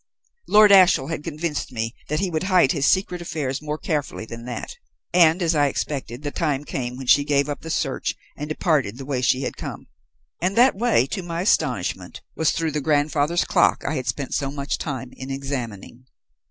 Lord Ashiel had convinced me that he would hide his secret affairs more carefully than that; and, as I expected, the time came when she gave up the search and departed the way she had come. And that way, to my astonishment, was through the grandfather's clock I had spent so much time in examining.